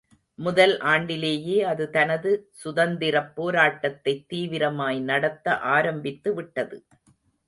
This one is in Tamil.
முதல் ஆண்டிலேயே அது தனது சுதந்திரப்போராட்டத்தை தீவிரமாய் நடத்த ஆரம்பித்து விட்டது.